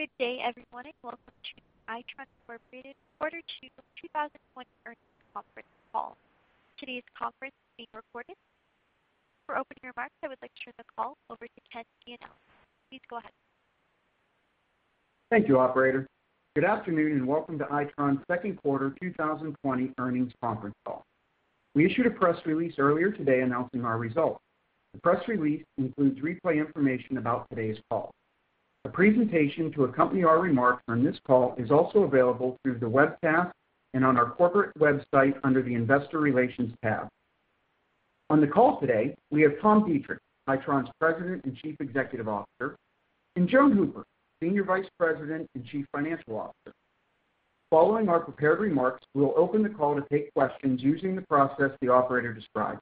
Good day everyone, welcome to Itron, Inc. Quarter Two 2020 Earnings Conference Call. Today's conference is being recorded. For opening remarks, I would like to turn the call over to Kenneth Gianella. Please go ahead. Thank you, operator. Good afternoon, and welcome to Itron's second quarter 2020 earnings conference call. We issued a press release earlier today announcing our results. The press release includes replay information about today's call. A presentation to accompany our remarks on this call is also available through the webcast and on our corporate website under the investor relations tab. On the call today, we have Tom Deitrich, Itron's President and Chief Executive Officer, and Joan Hooper, Senior Vice President and Chief Financial Officer. Following our prepared remarks, we will open the call to take questions using the process the operator described.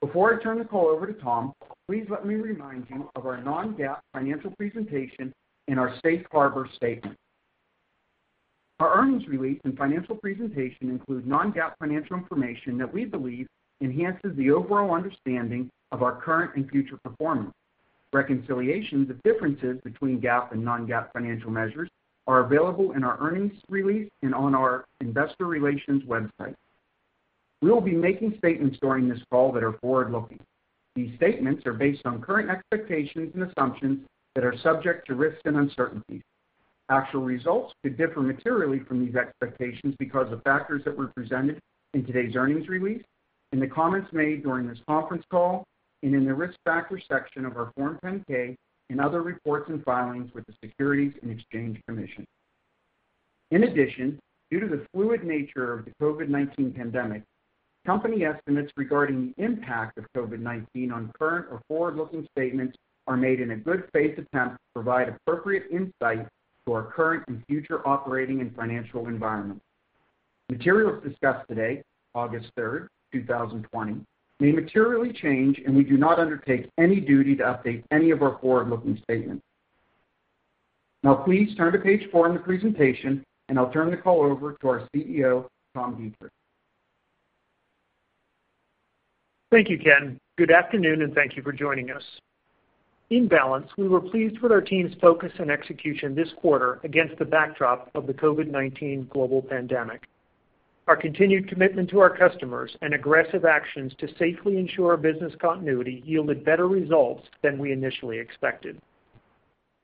Before I turn the call over to Tom, please let me remind you of our non-GAAP financial presentation and our safe harbor statement. Our earnings release and financial presentation include non-GAAP financial information that we believe enhances the overall understanding of our current and future performance. Reconciliations of differences between GAAP and non-GAAP financial measures are available in our earnings release and on our investor relations website. We will be making statements during this call that are forward-looking. These statements are based on current expectations and assumptions that are subject to risks and uncertainties. Actual results could differ materially from these expectations because of factors that were presented in today's earnings release, in the comments made during this conference call, and in the risk factors section of our Form 10-K and other reports and filings with the Securities and Exchange Commission. In addition, due to the fluid nature of the COVID-19 pandemic, company estimates regarding the impact of COVID-19 on current or forward-looking statements are made in a good faith attempt to provide appropriate insight to our current and future operating and financial environment. Materials discussed today, August 3rd, 2020, may materially change, and we do not undertake any duty to update any of our forward-looking statements. Now please turn to page four in the presentation, and I'll turn the call over to our CEO, Tom Deitrich. Thank you, Ken. Good afternoon. Thank you for joining us. In balance, we were pleased with our team's focus and execution this quarter against the backdrop of the COVID-19 global pandemic. Our continued commitment to our customers and aggressive actions to safely ensure our business continuity yielded better results than we initially expected.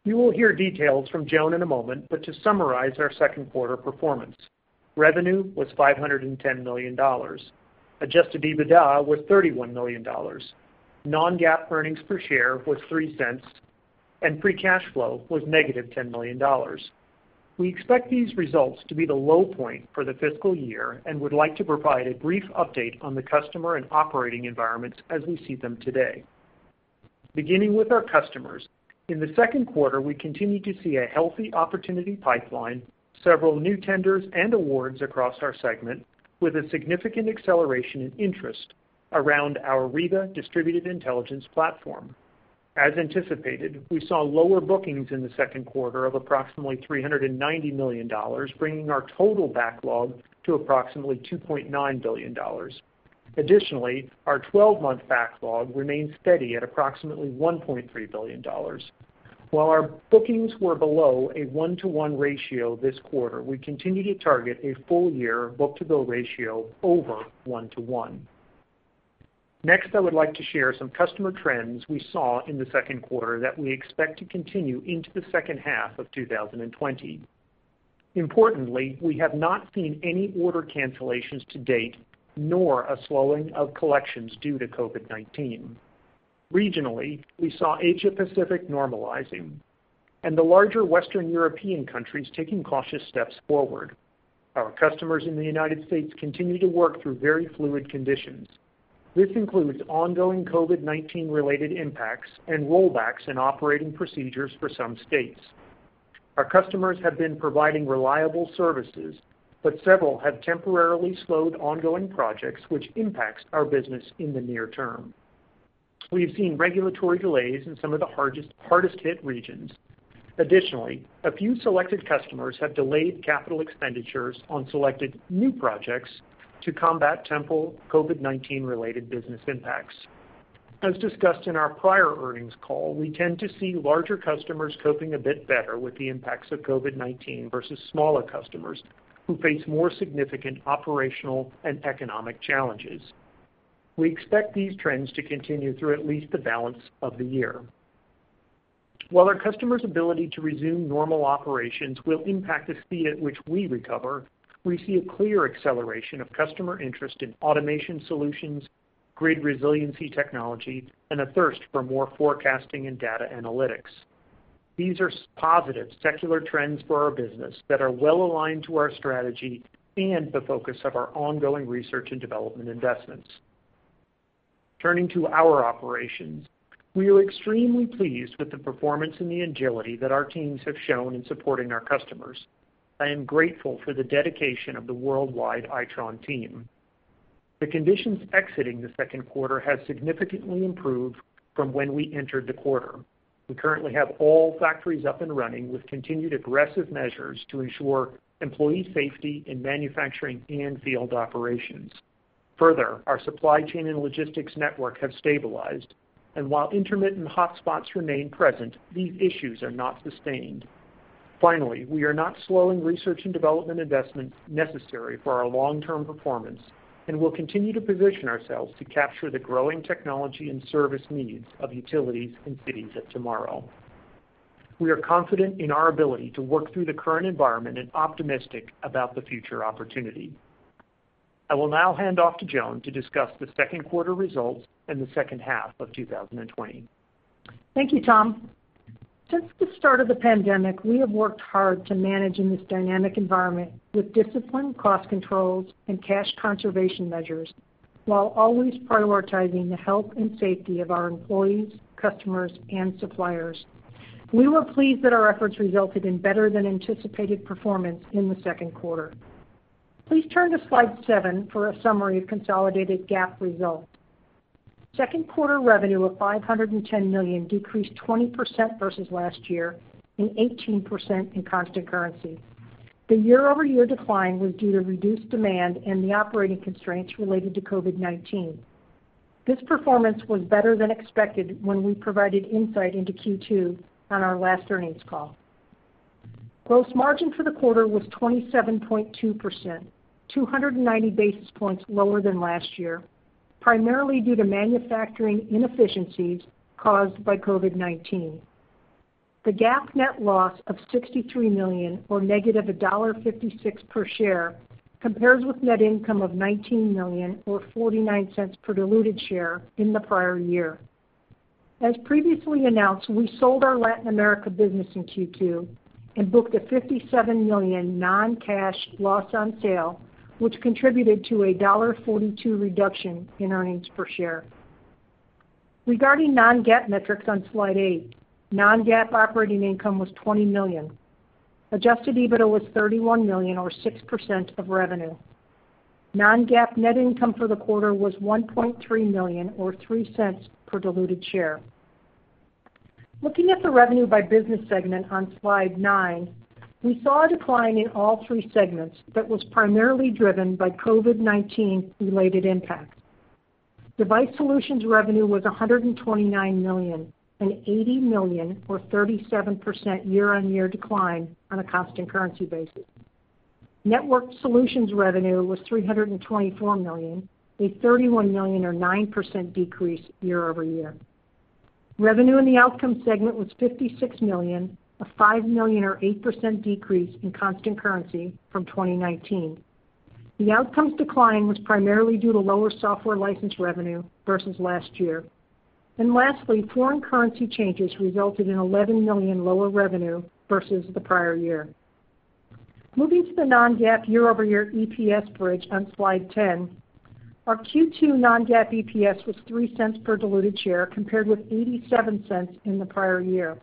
You will hear details from Joan in a moment. To summarize our second quarter performance, revenue was $510 million. Adjusted EBITDA was $31 million. Non-GAAP earnings per share was $0.03. Free cash flow was negative $10 million. We expect these results to be the low point for the fiscal year. We would like to provide a brief update on the customer and operating environments as we see them today. Beginning with our customers, in the second quarter, we continued to see a healthy opportunity pipeline, several new tenders and awards across our segment with a significant acceleration in interest around our Riva distributed intelligence platform. As anticipated, we saw lower bookings in the second quarter of approximately $390 million, bringing our total backlog to approximately $2.9 billion. Additionally, our 12-month backlog remains steady at approximately $1.3 billion. While our bookings were below a one-to-one ratio this quarter, we continue to target a full-year book-to-bill ratio over one to one. Next, I would like to share some customer trends we saw in the second quarter that we expect to continue into the second half of 2020. Importantly, we have not seen any order cancellations to date, nor a slowing of collections due to COVID-19. Regionally, we saw Asia-Pacific normalizing and the larger Western European countries taking cautious steps forward. Our customers in the U.S. continue to work through very fluid conditions. This includes ongoing COVID-19 related impacts and rollbacks in operating procedures for some states. Our customers have been providing reliable services, several have temporarily slowed ongoing projects, which impacts our business in the near term. We have seen regulatory delays in some of the hardest hit regions. Additionally, a few selected customers have delayed capital expenditures on selected new projects to combat temporal COVID-19 related business impacts. As discussed in our prior earnings call, we tend to see larger customers coping a bit better with the impacts of COVID-19 versus smaller customers who face more significant operational and economic challenges. We expect these trends to continue through at least the balance of the year. While our customers' ability to resume normal operations will impact the speed at which we recover, we see a clear acceleration of customer interest in automation solutions, grid resilience technology, and a thirst for more forecasting and data analytics. These are positive secular trends for our business that are well-aligned to our strategy and the focus of our ongoing research and development investments. Turning to our operations, we are extremely pleased with the performance and the agility that our teams have shown in supporting our customers. I am grateful for the dedication of the worldwide Itron team. The conditions exiting the second quarter have significantly improved from when we entered the quarter. We currently have all factories up and running with continued aggressive measures to ensure employee safety in manufacturing and field operations. Further, our supply chain and logistics network have stabilized, and while intermittent hotspots remain present, these issues are not sustained. Finally, we are not slowing research and development investments necessary for our long-term performance and will continue to position ourselves to capture the growing technology and service needs of utilities and cities of tomorrow. We are confident in our ability to work through the current environment and optimistic about the future opportunity. I will now hand off to Joan to discuss the second quarter results and the second half of 2020. Thank you, Tom. Since the start of the pandemic, we have worked hard to manage in this dynamic environment with disciplined cost controls and cash conservation measures, while always prioritizing the health and safety of our employees, customers, and suppliers. We were pleased that our efforts resulted in better than anticipated performance in the second quarter. Please turn to slide seven for a summary of consolidated GAAP results. Second quarter revenue of $510 million decreased 20% versus last year and 18% in constant currency. The year-over-year decline was due to reduced demand and the operating constraints related to COVID-19. This performance was better than expected when we provided insight into Q2 on our last earnings call. Gross margin for the quarter was 27.2%, 290 basis points lower than last year, primarily due to manufacturing inefficiencies caused by COVID-19. The GAAP net loss of $63 million, or negative $1.56 per share, compares with net income of $19 million, or $0.49 per diluted share, in the prior year. As previously announced, we sold our Latin America business in Q2 and booked a $57 million non-cash loss on sale, which contributed to a $1.42 reduction in earnings per share. Regarding non-GAAP metrics on slide eight, non-GAAP operating income was $20 million. Adjusted EBITDA was $31 million, or 6% of revenue. Non-GAAP net income for the quarter was $1.3 million, or $0.03 per diluted share. Looking at the revenue by business segment on slide nine, we saw a decline in all three segments that was primarily driven by COVID-19 related impacts. Device Solutions revenue was $129 million, an $80 million, or 37% year-on-year decline on a constant currency basis. Networked Solutions revenue was $324 million, a $31 million, or 9% decrease year-over-year. Revenue in the Outcomes segment was $56 million, a $5 million, or 8% decrease in constant currency from 2019. The Outcomes decline was primarily due to lower software license revenue versus last year. Lastly, foreign currency changes resulted in $11 million lower revenue versus the prior year. Moving to the non-GAAP year-over-year EPS bridge on slide 10, our Q2 non-GAAP EPS was $0.03 per diluted share, compared with $0.87 in the prior year.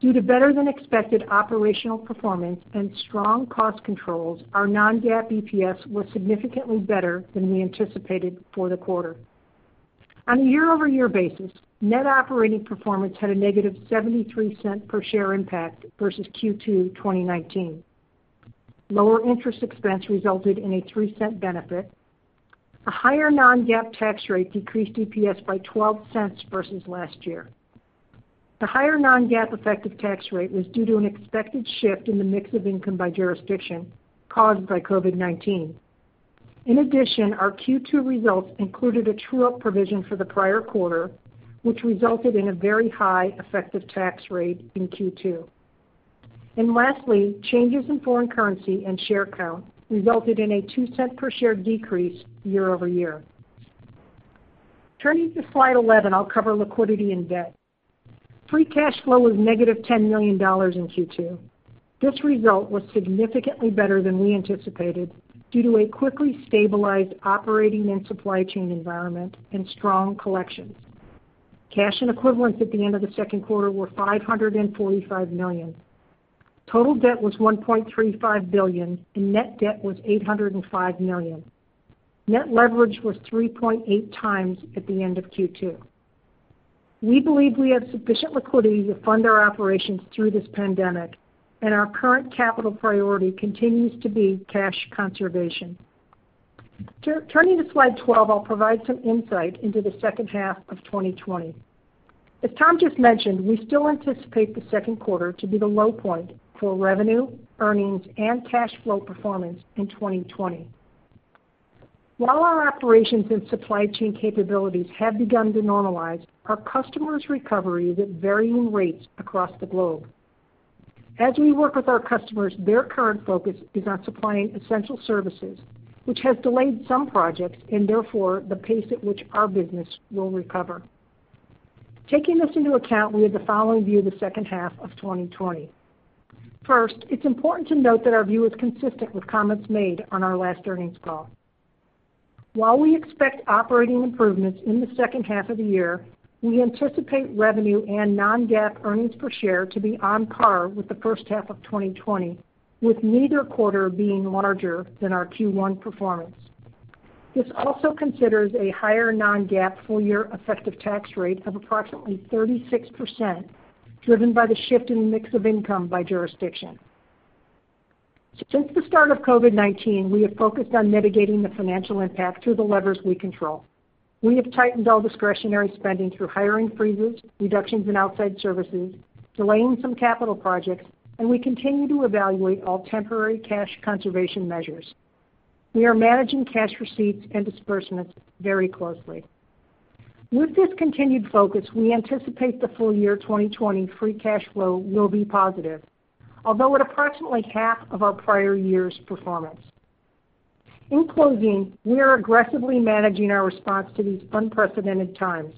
Due to better-than-expected operational performance and strong cost controls, our non-GAAP EPS was significantly better than we anticipated for the quarter. On a year-over-year basis, net operating performance had a negative $0.73 per share impact versus Q2 2019. Lower interest expense resulted in a $0.03 benefit. A higher non-GAAP tax rate decreased EPS by $0.12 versus last year. The higher non-GAAP effective tax rate was due to an expected shift in the mix of income by jurisdiction caused by COVID-19. Our Q2 results included a true-up provision for the prior quarter, which resulted in a very high effective tax rate in Q2. Lastly, changes in foreign currency and share count resulted in a $0.02 per share decrease year-over-year. Turning to slide 11, I'll cover liquidity and debt. Free cash flow was negative $10 million in Q2. This result was significantly better than we anticipated due to a quickly stabilized operating and supply chain environment and strong collections. Cash and equivalents at the end of the second quarter were $545 million. Total debt was $1.35 billion, and net debt was $805 million. Net leverage was 3.8x at the end of Q2. We believe we have sufficient liquidity to fund our operations through this pandemic, our current capital priority continues to be cash conservation. Turning to slide 12, I'll provide some insight into the second half of 2020. As Tom just mentioned, we still anticipate the second quarter to be the low point for revenue, earnings, and cash flow performance in 2020. While our operations and supply chain capabilities have begun to normalize, our customers' recovery is at varying rates across the globe. As we work with our customers, their current focus is on supplying essential services, which has delayed some projects and therefore the pace at which our business will recover. Taking this into account, we have the following view of the second half of 2020. First, it's important to note that our view is consistent with comments made on our last earnings call. While we expect operating improvements in the second half of the year, we anticipate revenue and non-GAAP earnings per share to be on par with the first half of 2020, with neither quarter being larger than our Q1 performance. This also considers a higher non-GAAP full-year effective tax rate of approximately 36%, driven by the shift in the mix of income by jurisdiction. Since the start of COVID-19, we have focused on mitigating the financial impact through the levers we control. We have tightened all discretionary spending through hiring freezes, reductions in outside services, delaying some capital projects, and we continue to evaluate all temporary cash conservation measures. We are managing cash receipts and disbursements very closely. With this continued focus, we anticipate the full year 2020 free cash flow will be positive, although at approximately half of our prior year's performance. In closing, we are aggressively managing our response to these unprecedented times.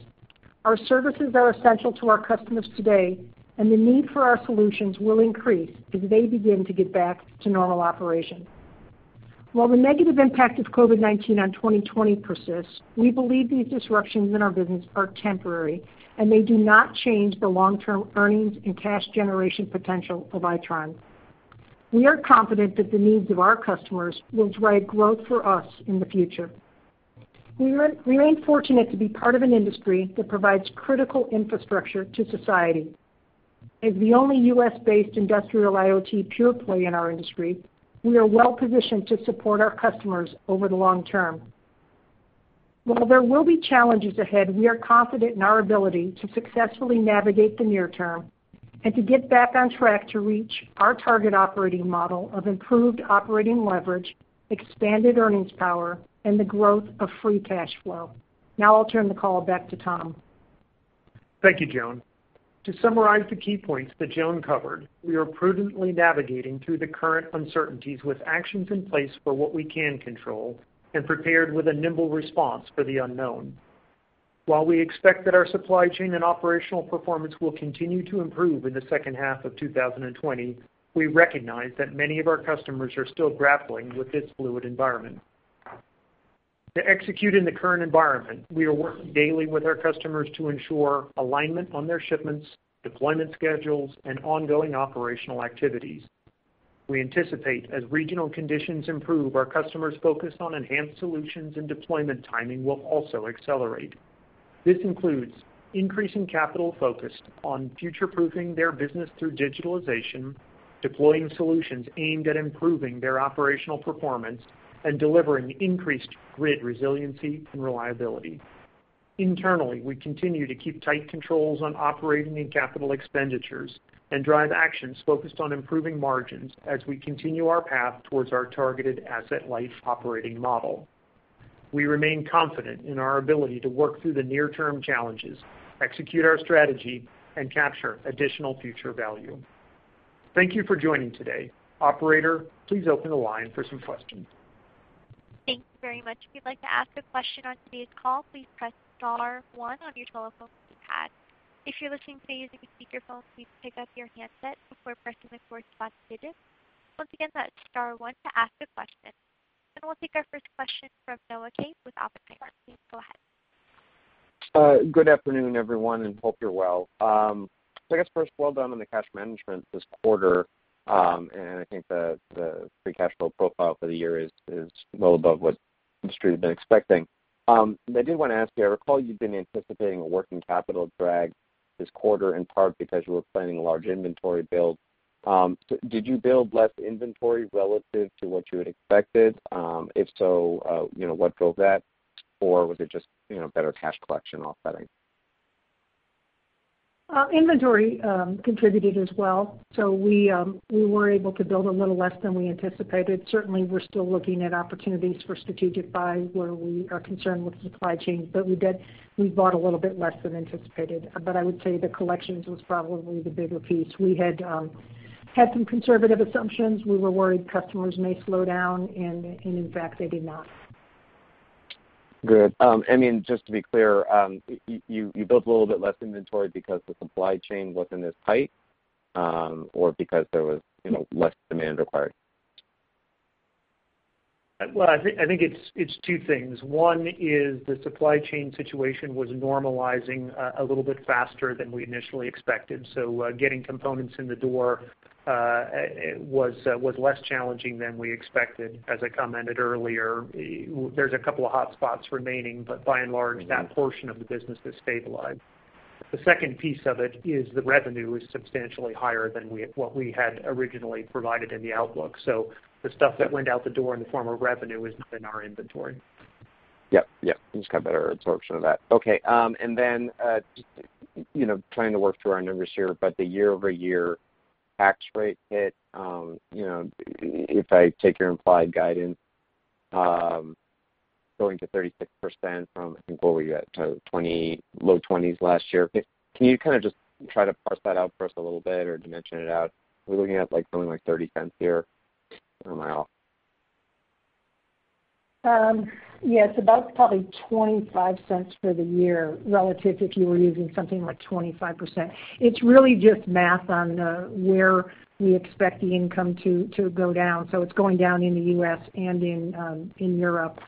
Our services are essential to our customers today, and the need for our solutions will increase as they begin to get back to normal operation. While the negative impact of COVID-19 on 2020 persists, we believe these disruptions in our business are temporary, and they do not change the long-term earnings and cash generation potential of Itron. We are confident that the needs of our customers will drive growth for us in the future. We remain fortunate to be part of an industry that provides critical infrastructure to society. As the only U.S.-based industrial IoT pure-play in our industry, we are well-positioned to support our customers over the long term. While there will be challenges ahead, we are confident in our ability to successfully navigate the near term and to get back on track to reach our target operating model of improved operating leverage, expanded earnings power, and the growth of free cash flow. Now I'll turn the call back to Tom. Thank you, Joan. To summarize the key points that Joan covered, we are prudently navigating through the current uncertainties with actions in place for what we can control and prepared with a nimble response for the unknown. While we expect that our supply chain and operational performance will continue to improve in the second half of 2020, we recognize that many of our customers are still grappling with this fluid environment. To execute in the current environment, we are working daily with our customers to ensure alignment on their shipments, deployment schedules, and ongoing operational activities. We anticipate, as regional conditions improve, our customers' focus on enhanced solutions and deployment timing will also accelerate. This includes increasing capital focused on future-proofing their business through digitalization, deploying solutions aimed at improving their operational performance, and delivering increased grid resiliency and reliability. Internally, we continue to keep tight controls on operating and capital expenditures and drive actions focused on improving margins as we continue our path towards our targeted asset-light operating model. We remain confident in our ability to work through the near-term challenges, execute our strategy, and capture additional future value. Thank you for joining today. Operator, please open the line for some questions. Thank you very much. If you'd like to ask a question on today's call, please press star one on your telephone keypad. If you're listening today using a speakerphone, please pick up your handset before pressing the four spot digits. Once again, that's star one to ask a question. We'll take our first question from Noah Kaye with Oppenheimer. Please go ahead. Good afternoon, everyone, and hope you're well. I guess first, well done on the cash management this quarter. I think the free cash flow profile for the year is well above what the street had been expecting. I did want to ask you, I recall you've been anticipating a working capital drag this quarter, in part because you were planning a large inventory build. Did you build less inventory relative to what you had expected? If so, what drove that? Was it just better cash collection offsetting? Inventory contributed as well. We were able to build a little less than we anticipated. Certainly, we're still looking at opportunities for strategic buys where we are concerned with supply chain, but we bought a little bit less than anticipated. I would say the collections was probably the bigger piece. We had some conservative assumptions. We were worried customers may slow down, and in fact, they did not. Good. Just to be clear, you built a little bit less inventory because the supply chain wasn't as tight, or because there was less demand required? Well, I think it's two things. One is the supply chain situation was normalizing a little bit faster than we initially expected. Getting components in the door was less challenging than we expected. As I commented earlier, there's a couple of hotspots remaining, but by and large, that portion of the business has stabilized. The second piece of it is the revenue is substantially higher than what we had originally provided in the outlook. The stuff that went out the door in the form of revenue is not in our inventory. Yep. You just got better absorption of that. Okay. Just trying to work through our numbers here, but the year-over-year tax rate hit, if I take your implied guidance, going to 36% from, I think, what were you at? Low 20s last year. Can you kind of just try to parse that out for us a little bit or dimension it out? We're looking at something like $0.30 here. Am I off? Yes, about probably $0.25 for the year, relative if you were using something like 25%. It's really just math on where we expect the income to go down. It's going down in the U.S. and in Europe.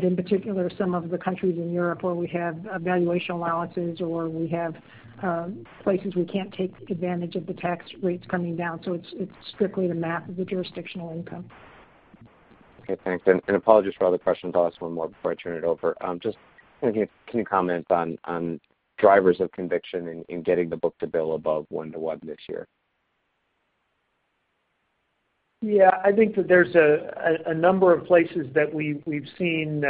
In particular, some of the countries in Europe where we have valuation allowances, or we have places we can't take advantage of the tax rates coming down. It's strictly the math of the jurisdictional income. Okay, thanks. Apologies for all the questions. I'll ask one more before I turn it over. Just wondering, can you comment on drivers of conviction in getting the book-to-bill above 1:1 this year? Yeah. I think that there's a number of places that we've seen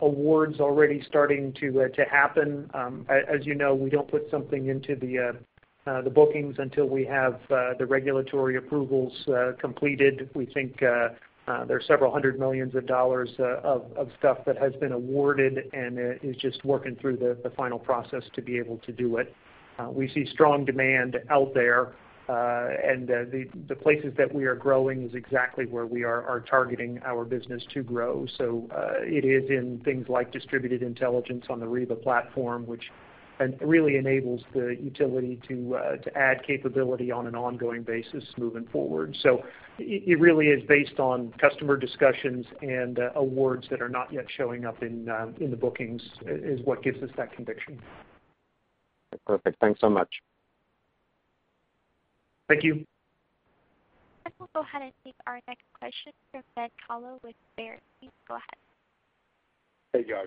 awards already starting to happen. As you know, we don't put something into the bookings until we have the regulatory approvals completed. We think there's several hundred millions of dollars of stuff that has been awarded and is just working through the final process to be able to do it. We see strong demand out there, and the places that we are growing is exactly where we are targeting our business to grow. It is in things like distributed intelligence on the Riva platform, which really enables the utility to add capability on an ongoing basis moving forward. It really is based on customer discussions and awards that are not yet showing up in the bookings, is what gives us that conviction. Perfect. Thanks so much. Thank you. I will go ahead and take our next question from Ben Kallo with Baird. Please go ahead. Hey, guys.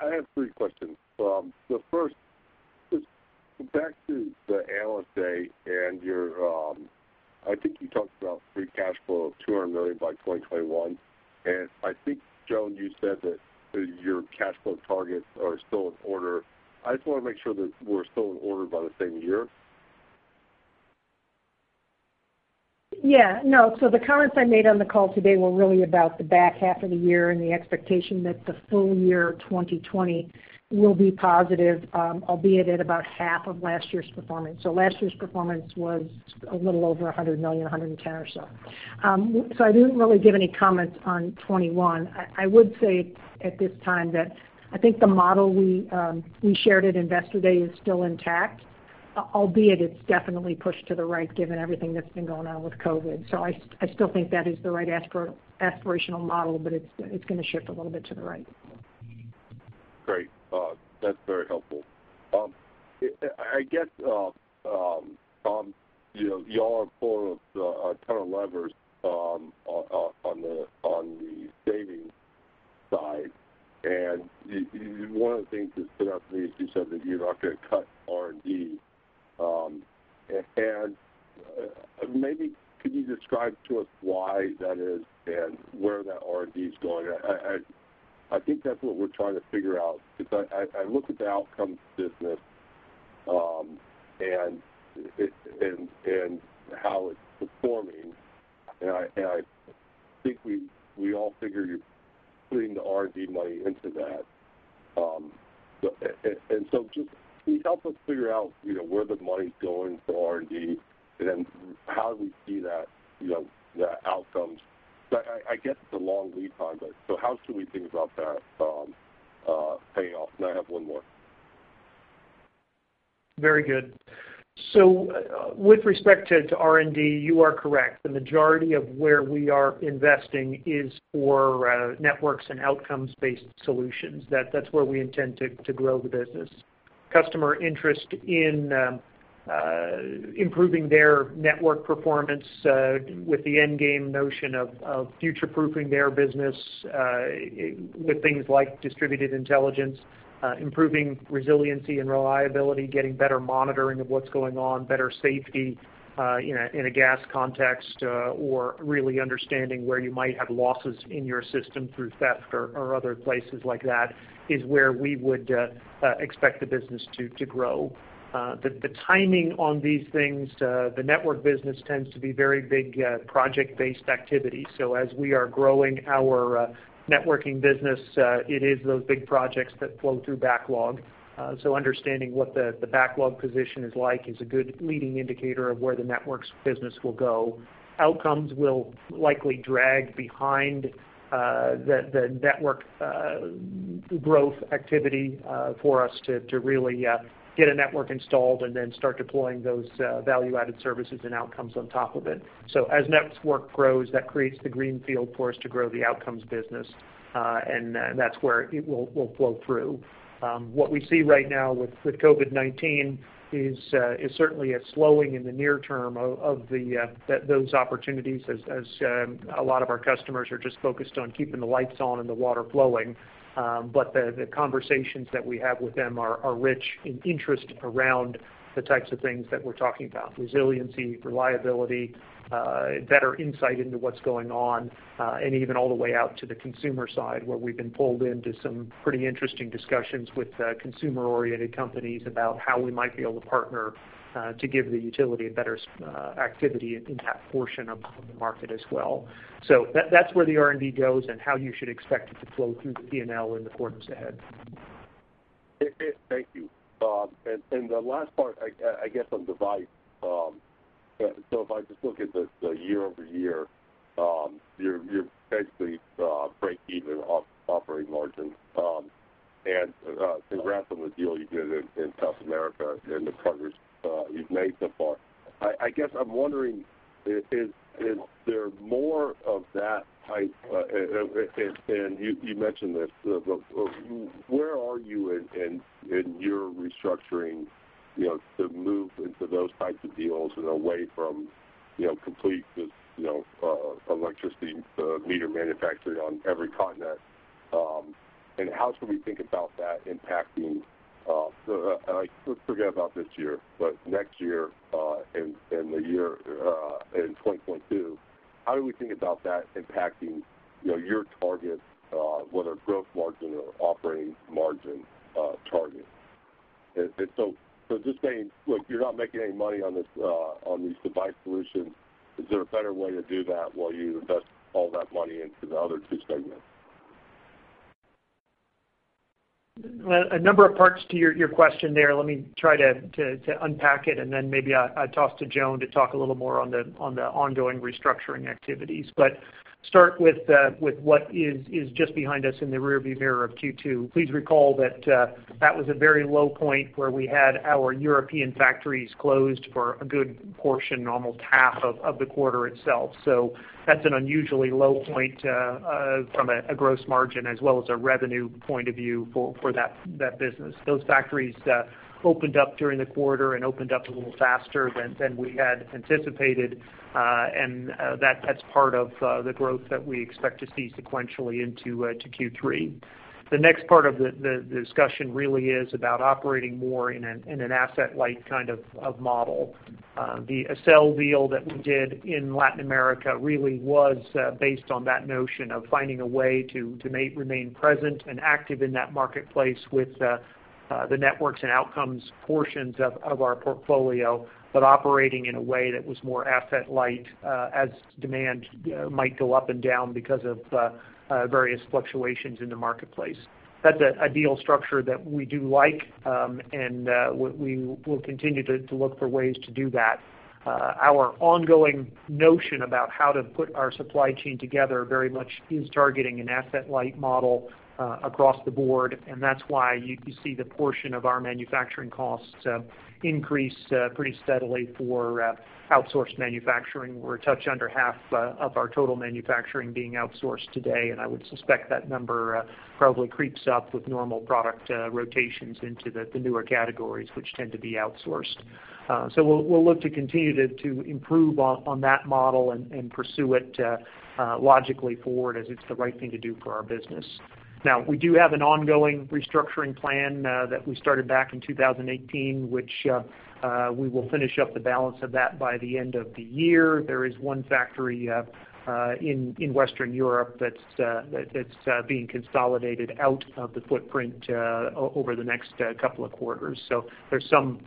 I have three questions. The first is back to the Analyst Day and I think you talked about free cash flow of $200 million by 2021. I think, Joan, you said that your cash flow targets are still in order. I just want to make sure that we're still in order by the same year. Yeah. No. The comments I made on the call today were really about the back half of the year and the expectation that the full year 2020 will be positive, albeit at about half of last year's performance. Last year's performance was a little over $100 million, $110 or so. I didn't really give any comments on 2021. I would say at this time that I think the model we shared at Investor Day is still intact, albeit it's definitely pushed to the right given everything that's been going on with COVID. I still think that is the right aspirational model, but it's going to shift a little bit to the right. Great. That's very helpful. I guess, Tom, you all have pulled a ton of levers on the savings side. One of the things that stood out for me is you said that you're not going to cut R&D. Maybe could you describe to us why that is and where that R&D is going? I think that's what we're trying to figure out, because I look at the Outcomes business, and how it's performing, and I think we all figure you're putting the R&D money into that. Just can you help us figure out where the money's going for R&D, and then how we see that Outcomes? I get the long lead time, but how should we think about that payoff? I have one more. Very good. With respect to R&D, you are correct. The majority of where we are investing is for Networked Solutions and Outcomes-based solutions. That's where we intend to grow the business. Customer interest in improving their network performance, with the end game notion of future-proofing their business, with things like distributed intelligence, improving resiliency and reliability, getting better monitoring of what's going on, better safety, in a gas context, or really understanding where you might have losses in your system through theft or other places like that is where we would expect the business to grow. The timing on these things, the network business tends to be very big project-based activity. As we are growing our networking business, it is those big projects that flow through backlog. Understanding what the backlog position is like is a good leading indicator of where the networks business will go. Outcomes will likely drag behind the network growth activity for us to really get a network installed and then start deploying those value-added services and Outcomes on top of it. As network grows, that creates the green field for us to grow the Outcomes business. That's where it will flow through. What we see right now with COVID-19 is certainly a slowing in the near term of those opportunities as a lot of our customers are just focused on keeping the lights on and the water flowing. The conversations that we have with them are rich in interest around the types of things that we're talking about, resiliency, reliability, better insight into what's going on, and even all the way out to the consumer side, where we've been pulled into some pretty interesting discussions with consumer-oriented companies about how we might be able to partner to give the utility a better activity in that portion of the market as well. That's where the R&D goes and how you should expect it to flow through the P&L in the quarters ahead. Thank you. The last part, I guess, on Device Solutions. If I just look at the year-over-year, you're basically break even on operating margin. Congrats on the deal you did in South America and the progress you've made so far. I guess I'm wondering, is there more of that type, and you mentioned this, where are you in your restructuring to move into those types of deals and away from complete electricity meter manufacturing on every continent? How should we think about that impacting, forget about this year, but next year and in 2022, how do we think about that impacting your target, whether gross margin or operating margin target? Just saying, look, you're not making any money on these Device Solutions. Is there a better way to do that while you invest all that money into the other two segments? A number of parts to your question there. Let me try to unpack it, and then maybe I toss to Joan to talk a little more on the ongoing restructuring activities. Start with what is just behind us in the rear view mirror of Q2. Please recall that was a very low point where we had our European factories closed for a good portion, almost half of the quarter itself. That's an unusually low point from a gross margin as well as a revenue point of view for that business. Those factories opened up during the quarter and opened up a little faster than we had anticipated. That's part of the growth that we expect to see sequentially into Q3. The next part of the discussion really is about operating more in an asset-light kind of model. The sale deal that we did in Latin America really was based on that notion of finding a way to remain present and active in that marketplace with the networks and Outcomes portions of our portfolio. Operating in a way that was more asset-light, as demand might go up and down because of various fluctuations in the marketplace. That's an ideal structure that we do like, and we will continue to look for ways to do that. Our ongoing notion about how to put our supply chain together very much is targeting an asset-light model across the board, and that's why you see the portion of our manufacturing costs increase pretty steadily for outsourced manufacturing. We're a touch under half of our total manufacturing being outsourced today, and I would suspect that number probably creeps up with normal product rotations into the newer categories, which tend to be outsourced. We'll look to continue to improve on that model and pursue it logically forward, as it's the right thing to do for our business. We do have an ongoing restructuring plan that we started back in 2018, which we will finish up the balance of that by the end of the year. There is one factory in Western Europe that's being consolidated out of the footprint over the next couple of quarters. There's some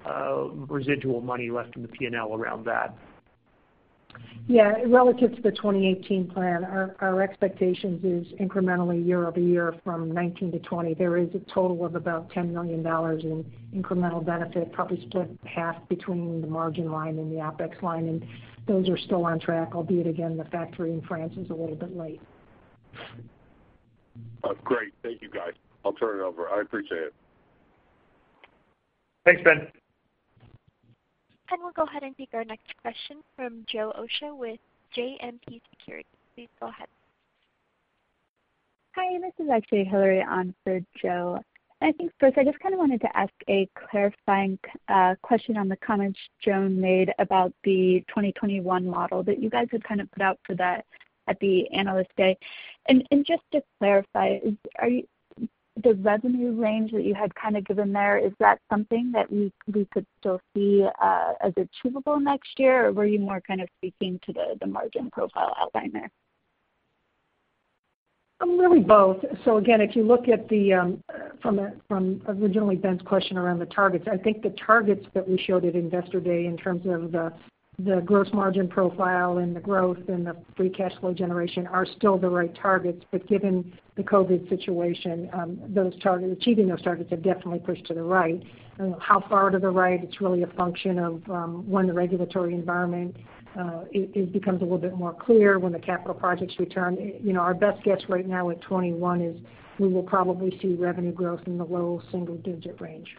residual money left in the P&L around that. Yeah. Relative to the 2018 plan, our expectations is incrementally year-over-year from 2019 to 2020, there is a total of about $10 million in incremental benefit, probably split half between the margin line and the OPEX line. Those are still on track. Albeit, again, the factory in France is a little bit late. Great. Thank you, guys. I'll turn it over. I appreciate it. Thanks, Ben. We'll go ahead and take our next question from Joe Osha with JMP Securities. Please go ahead. Hi, this is actually Hillary on for Joe. I think first, I just kind of wanted to ask a clarifying question on the comments Joan made about the 2021 model that you guys had kind of put out for that at the Analyst Day. Just to clarify, the revenue range that you had kind of given there, is that something that we could still see as achievable next year, or were you more kind of speaking to the margin profile outline there? Really both. Again, if you look from originally Ben's question around the targets, I think the targets that we showed at Investor Day in terms of the gross margin profile and the growth and the free cash flow generation are still the right targets. Given the COVID-19 situation, achieving those targets have definitely pushed to the right. How far to the right? It's really a function of when the regulatory environment, it becomes a little bit more clear when the capital projects return. Our best guess right now at 2021 is we will probably see revenue growth in the low single-digit range.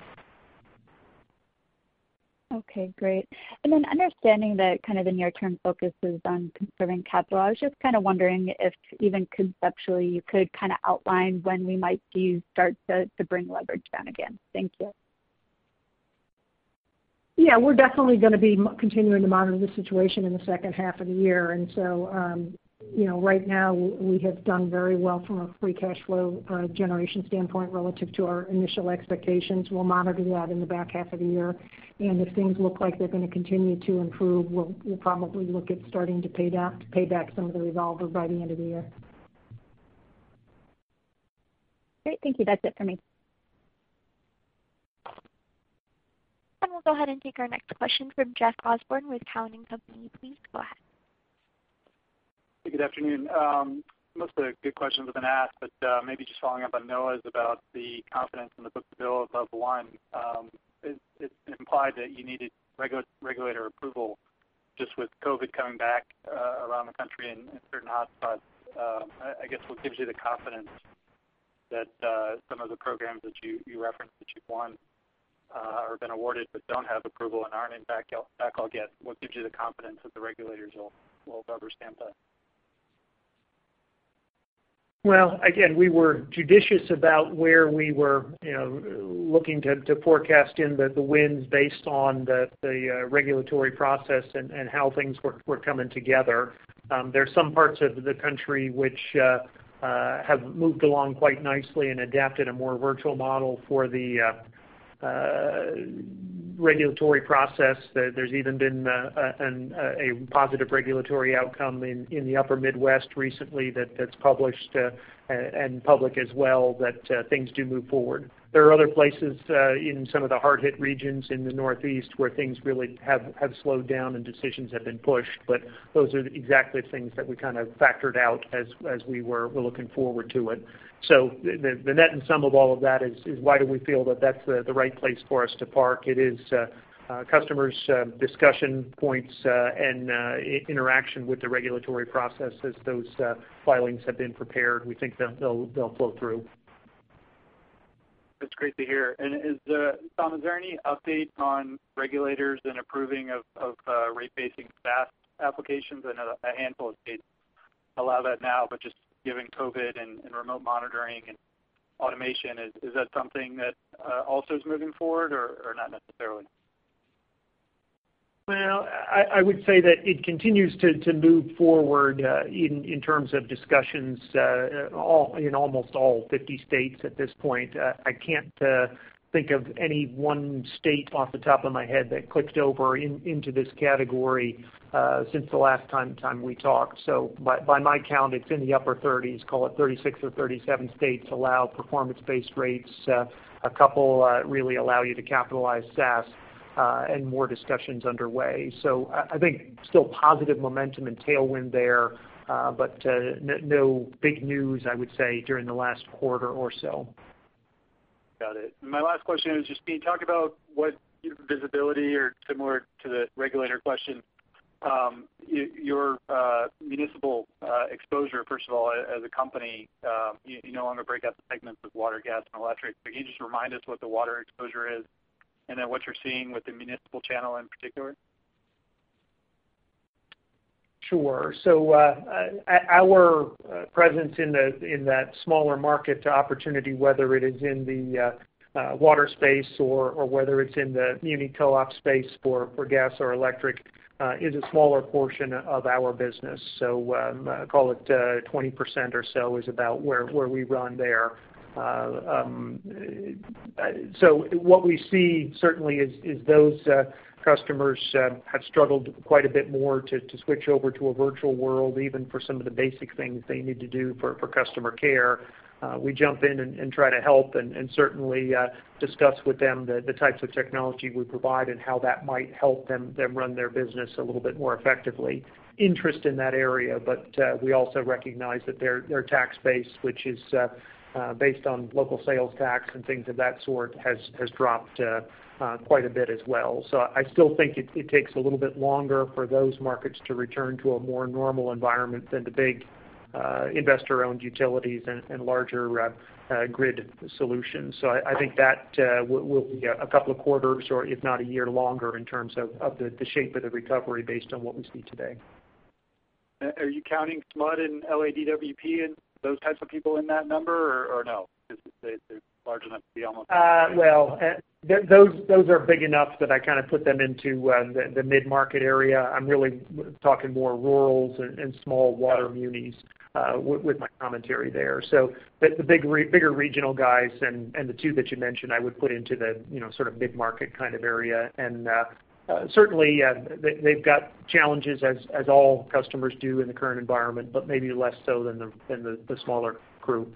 Okay, great. Understanding that kind of the near-term focus is on conserving capital, I was just kind of wondering if even conceptually, you could kind of outline when we might see you start to bring leverage down again. Thank you. Yeah. We're definitely going to be continuing to monitor the situation in the second half of the year. Right now, we have done very well from a free cash flow generation standpoint relative to our initial expectations. We'll monitor that in the back half of the year, and if things look like they're going to continue to improve, we'll probably look at starting to pay back some of the revolver by the end of the year. Great. Thank you. That's it for me. We'll go ahead and take our next question from Jeff Osborne with Cowen and Company. Please go ahead. Good afternoon. Most of the good questions have been asked. Maybe just following up on Noah's about the confidence in the book-to-bill above one. It implied that you needed regulator approval. Just with COVID coming back around the country in certain hotspots, I guess, what gives you the confidence that some of the programs that you referenced that you've won or been awarded but don't have approval and aren't in fact backlog yet, what gives you the confidence that the regulators will rubber stamp that? Well, again, we were judicious about where we were looking to forecast in the wins based on the regulatory process and how things were coming together. There are some parts of the country which have moved along quite nicely and adapted a more virtual model for the regulatory process. There's even been a positive regulatory outcome in the upper Midwest recently that's published and public as well, that things do move forward. There are other places in some of the hard-hit regions in the Northeast where things really have slowed down, and decisions have been pushed. Those are exactly the things that we factored out as we were looking forward to it. The net and sum of all of that is why do we feel that that's the right place for us to park? It is customers' discussion points and interaction with the regulatory process as those filings have been prepared. We think they'll flow through. That's great to hear. Tom, is there any update on regulators and approving of rate-basing SaaS applications? I know a handful of states allow that now, but just given COVID and remote monitoring and automation, is that something that also is moving forward or not necessarily? Well, I would say that it continues to move forward in terms of discussions in almost all 50 states at this point. I can't think of any one state off the top of my head that clicked over into this category since the last time we talked. By my count, it's in the upper 30s, call it 36 or 37 states allow performance-based rates. A couple really allow you to capitalize SaaS, and more discussion's underway. I think still positive momentum and tailwind there, but no big news, I would say, during the last quarter or so. Got it. My last question is just can you talk about what your visibility, or similar to the regulator question, your municipal exposure, first of all, as a company? You no longer break out the segments with water, gas, and electric, but can you just remind us what the water exposure is and then what you're seeing with the municipal channel in particular? Sure. Our presence in that smaller market opportunity, whether it is in the water space or whether it's in the muni co-op space for gas or electric, is a smaller portion of our business. Call it 20% or so is about where we run there. What we see certainly is those customers have struggled quite a bit more to switch over to a virtual world, even for some of the basic things they need to do for customer care. We jump in and try to help and certainly discuss with them the types of technology we provide and how that might help them run their business a little bit more effectively. Interest in that area, we also recognize that their tax base, which is based on local sales tax and things of that sort, has dropped quite a bit as well. I still think it takes a little bit longer for those markets to return to a more normal environment than the big investor-owned utilities and larger grid solutions. I think that will be a couple of quarters or if not a year longer in terms of the shape of the recovery based on what we see today. Are you counting SMUD and LADWP and those types of people in that number or no? Because they're large enough to be. Well, those are big enough that I put them into the mid-market area. I'm really talking more rurals and small water munis with my commentary there. The bigger regional guys and the two that you mentioned, I would put into the mid-market kind of area. Certainly they've got challenges as all customers do in the current environment, but maybe less so than the smaller group.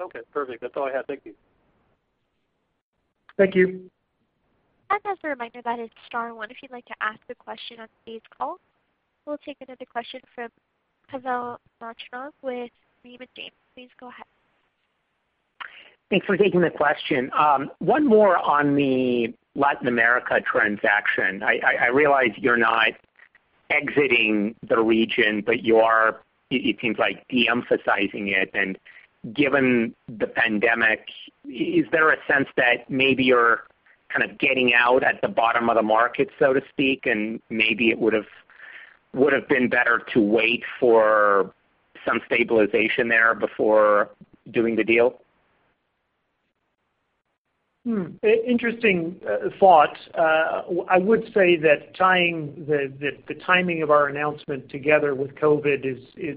Okay, perfect. That's all I have. Thank you. Thank you. As a reminder, that is star one if you'd like to ask a question on today's call. We'll take another question from Pavel Molchanov with Raymond James. Please go ahead. Thanks for taking the question. One more on the Latin America transaction. I realize you're not exiting the region, but you are, it seems like, de-emphasizing it. Given the pandemic, is there a sense that maybe you're kind of getting out at the bottom of the market, so to speak, and maybe it would have been better to wait for some stabilization there before doing the deal? Interesting thought. I would say that tying the timing of our announcement together with COVID,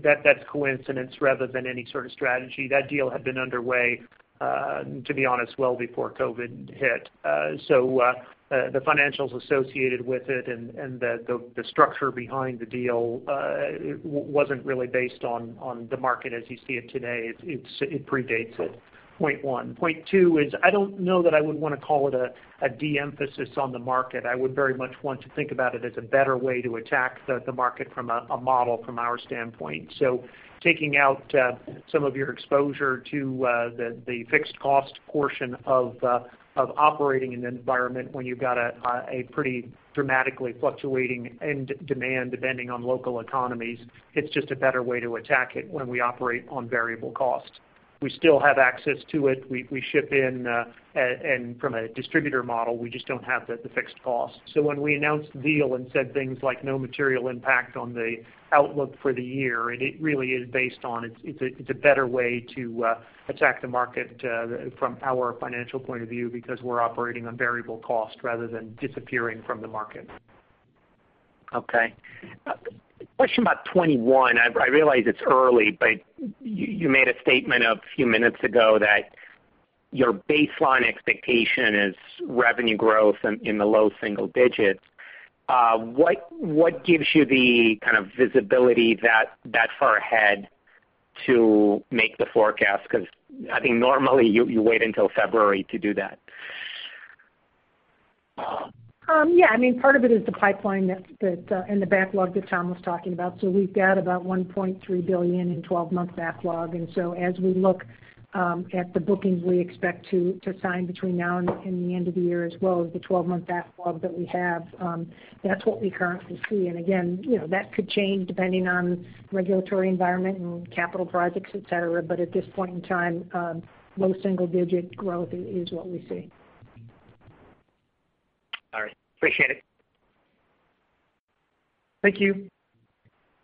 that's coincidence rather than any sort of strategy. That deal had been underway, to be honest, well before COVID hit. The financials associated with it and the structure behind the deal wasn't really based on the market as you see it today. It predates it, point one. Point two is I don't know that I would want to call it a de-emphasis on the market. I would very much want to think about it as a better way to attack the market from a model from our standpoint. Taking out some of your exposure to the fixed cost portion of operating in an environment when you've got a pretty dramatically fluctuating end demand depending on local economies, it's just a better way to attack it when we operate on variable costs. We still have access to it. We ship in, from a distributor model, we just don't have the fixed cost. When we announced the deal and said things like no material impact on the outlook for the year, it really is based on it's a better way to attack the market from our financial point of view because we're operating on variable cost rather than disappearing from the market. Okay. A question about 2021. I realize it's early, but you made a statement a few minutes ago that your baseline expectation is revenue growth in the low single digits. What gives you the kind of visibility that far ahead to make the forecast? I think normally you wait until February to do that. Part of it is the pipeline and the backlog that Tom was talking about. We've got about $1.3 billion in 12-month backlog. As we look at the bookings we expect to sign between now and the end of the year, as well as the 12-month backlog that we have, that's what we currently see. Again, that could change depending on regulatory environment and capital projects, et cetera. At this point in time, low single-digit growth is what we see. All right. Appreciate it. Thank you.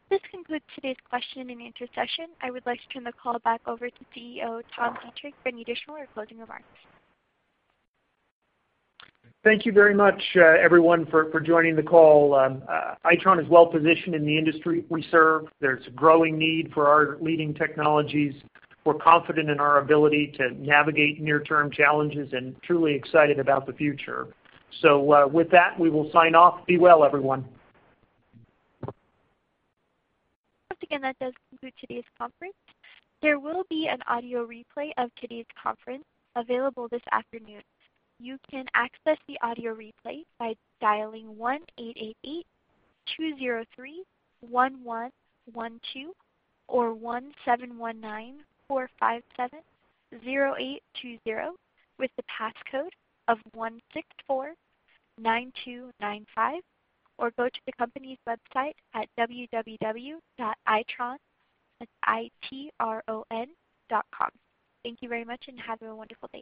This concludes today's question and answer session. I would like to turn the call back over to CEO, Tom Deitrich, for any additional or closing remarks. Thank you very much, everyone, for joining the call. Itron is well-positioned in the industry we serve. There is a growing need for our leading technologies. We are confident in our ability to navigate near-term challenges and truly excited about the future. With that, we will sign off. Be well, everyone. Once again, that does conclude today's conference. There will be an audio replay of today's conference available this afternoon. You can access the audio replay by dialing 1-888-203-1112 or 1-719-457-0820, with the passcode of 1649295, or go to the company's website at www.itron, that's I-T-R-O-N, .com. Thank you very much and have a wonderful day.